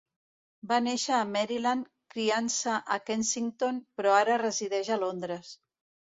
Va néixer a Maryland, criant-se a Kensington, però ara resideix a Londres.